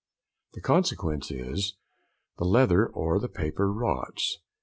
The consequence is, the leather or the paper rots.